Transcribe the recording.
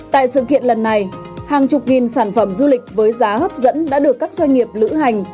tại sự kiện lần này hàng chục nghìn sản phẩm du lịch với giá hấp dẫn đã được các doanh nghiệp lữ hành